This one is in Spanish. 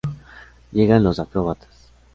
Llegan los acróbatas.